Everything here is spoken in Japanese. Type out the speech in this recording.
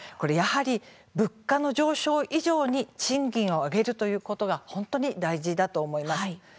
やはり物価の上昇以上に賃金を上げることが大事だと思います。